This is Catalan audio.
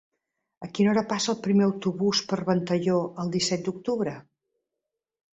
A quina hora passa el primer autobús per Ventalló el disset d'octubre?